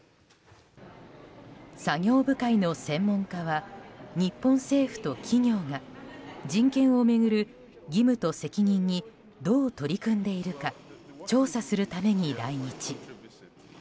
作業部会の専門家は日本政府と企業が人権を巡る義務と責任にどう取り組んでいるか調査するために来日。